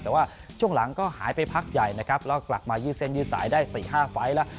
แต่ว่าช่วงหลังก็หายไปพักใหญ่นะครับแล้วกลับมายืดเส้นยืดสายได้๔๕ไฟล์แล้ว